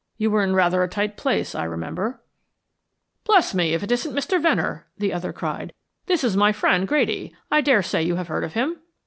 You were in rather a tight place, I remember." "Bless me, if it isn't Mr. Venner," the other cried. "This is my friend, Grady. I daresay you have heard of him."